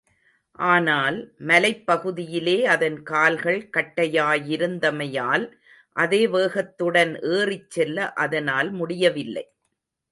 ஆனால், மலைப்பகுதியிலே அதன் கால்கள் கட்டையாயிருந்தமையால், அதே வேகத்துடன் ஏறிச்செல்ல அதனால் முடியவில்லை.